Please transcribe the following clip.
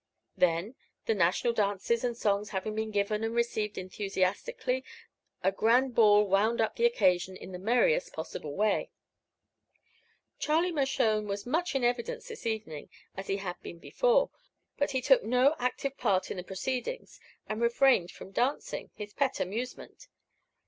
Then, the national dances and songs having been given and received enthusiastically, a grand ball wound up the occasion in the merriest possible way. Charlie Mershone was much in evidence this evening, as he had been before; but he took no active part in the proceedings and refrained from dancing, his pet amusement.